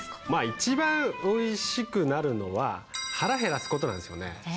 一番おいしくなるのは、腹減らすことなんですよね。